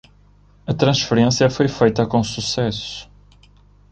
A transferência foi feita com sucesso